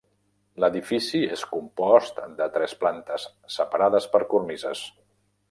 L'edifici és compost de tres plantes separades per cornises.